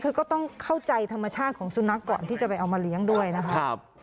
คือก็ต้องเข้าใจธรรมชาติของสุนัขก่อนที่จะไปเอามาเลี้ยงด้วยนะครับ